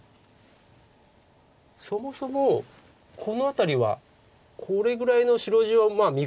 そもそもこの辺りはこれぐらいの白地を見込んでいたんです私は。